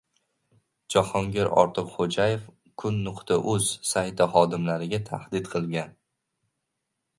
Jahongir Ortiqxo‘jaev Kun.uz sayti xodimlariga tahdid qilgan